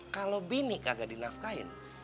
kalo bini kagak dinafkain